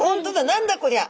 何だこりゃ！